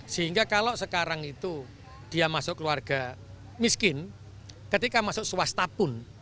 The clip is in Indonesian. sehingga kalau sekarang itu dia masuk keluarga miskin ketika masuk swasta pun